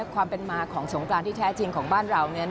ความเป็นมาของสงกรานที่แท้จริงของบ้านเรานั้น